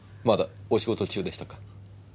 まだお仕事中でしたか？